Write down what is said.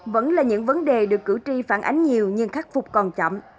vẫn là những vấn đề được cử tri phản ánh nhiều nhưng khắc phục còn chậm